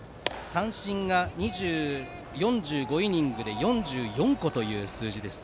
三振が４５イニングで４４個という数字です。